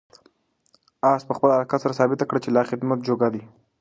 آس په خپل حرکت سره ثابته کړه چې لا د خدمت جوګه دی.